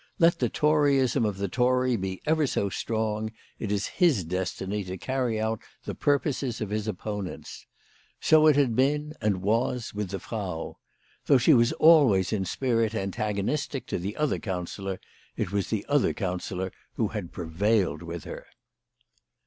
Let the toryism of the Tory be ever so strong, it is his destiny to carry out the purposes of his opponents. So it had been, and was, with the Frau. Though she was always in spirit antagonistic to the other counsellor, it was the other counsellor who prevailed with her.